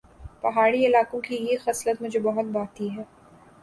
پہاڑی علاقوں کی یہ خصلت مجھے بہت بھاتی ہے